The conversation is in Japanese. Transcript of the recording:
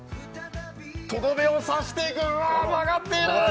とどめを刺していく、曲がっていく！